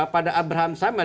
pada abraham samad